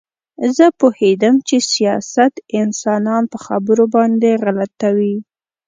زه پوهېدم چې سیاست انسانان په خبرو باندې غلطوي